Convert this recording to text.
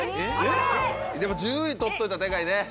でも１０位取っといたらデカいね。